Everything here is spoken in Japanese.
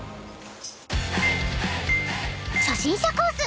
［初心者コース